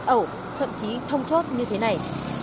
ẩu thậm chí thông chốt như thế này